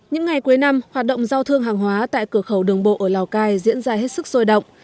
những ngày cuối năm hoạt động giao thương hàng hóa tại cửa khẩu đường bộ ở lào cai diễn ra hết sức sôi động